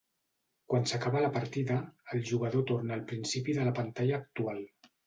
Quan s'acaba la partida, el jugador torna al principi de la pantalla actual.